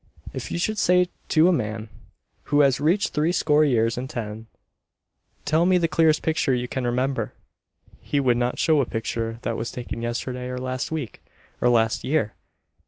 If you should say to a man who has reached three score years and ten, "Tell me the clearest picture you can remember," he would not show a picture that was taken yesterday, or last week, or last year.